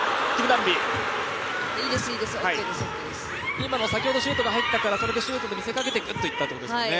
今のは先ほどシュートが入ったのでシュートと見せかけて、ぐーんといったということですよね。